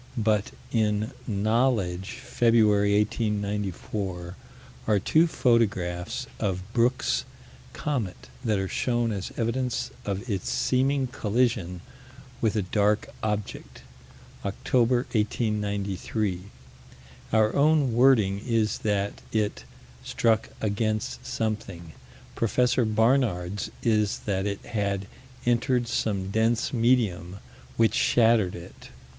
But in Knowledge, February, 1894, are two photographs of Brooks' comet that are shown as evidence of its seeming collision with a dark object, October, 1893. Our own wording is that it "struck against something": Prof. Barnard's is that it had "entered some dense medium, which shattered it."